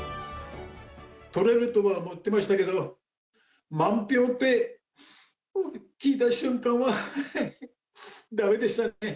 取れるとは思ってましたけど、満票でと聞いた瞬間は、だめでしたね。